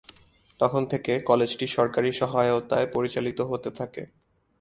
তখন থেকে কলেজটি সরকারি সহায়তায় পরিচালিত হতে থাকে।